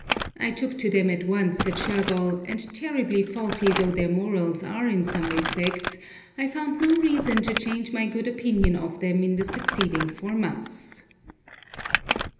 I 'took' to them at once at Shergol, and terribly faulty though their morals are in some respects, I found no reason to change my good opinion of them in the succeeding four months.